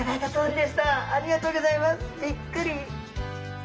びっくり。